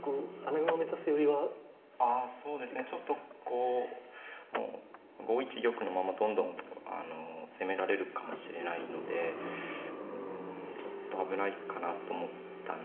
ちょっとこうもう５一玉のままどんどん攻められるかもしれないのでうんちょっと危ないかなと思ったんですが。